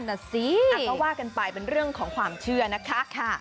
น่ะสิก็ว่ากันไปเป็นเรื่องของความเชื่อนะคะ